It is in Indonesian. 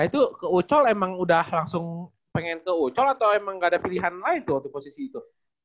itu ke ucol emang udah langsung pengen ke ocol atau emang gak ada pilihan lain tuh waktu posisi itu